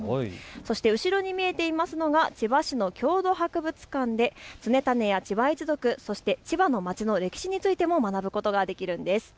そして後ろに見えていますのは千葉市の郷土博物館で常胤や千葉一族、そして千葉の街の歴史についても学ぶことができるんです。